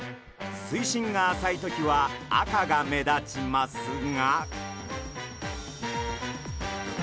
水深が浅い時は赤が目立ちますが。